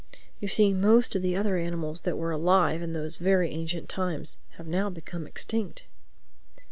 You see most of the other animals that were alive in those very ancient times have now become extinct."